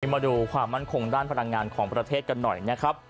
มาดูความมั่นคงด้านพลังงานของประเทศกันหน่อยนะครับ